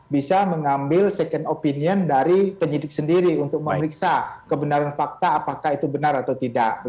bisa mengambil second opinion dari penyidik sendiri untuk memeriksa kebenaran fakta apakah itu benar atau tidak